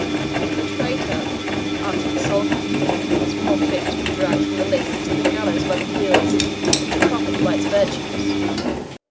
"The traitor," answered the Soldan, "is more fit to be dragged from the lists to the gallows by the heels, than to profit by its virtues.